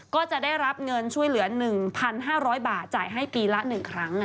ก็จะได้รับเงินช่วยเหลือ๑๕๐๐บาทจ่ายให้ปีละ๑ครั้ง